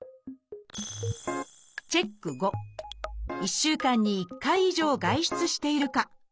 チェック５１週間に１回以上外出しているか